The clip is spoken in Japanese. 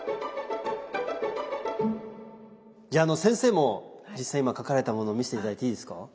じゃあ先生も実際今描かれたもの見せて頂いていいですか。